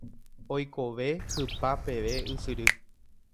Oikove hypa peve ysyry.